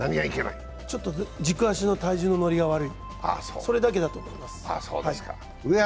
ちょっと軸足の体重の乗りが悪い、それだけだと思います。